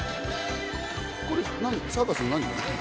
これサーカスの何？